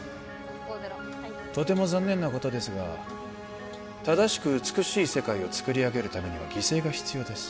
５−０とても残念なことですが正しく美しい世界を作り上げるためには犠牲が必要です・